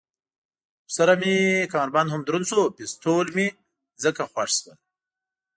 ورسره مې کمربند هم دروند شو، پېسټول مې ځکه خوښ شول.